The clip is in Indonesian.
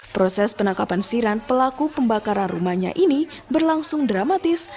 proses penangkapan siran pelaku pembakaran rumahnya ini berlangsung dramatis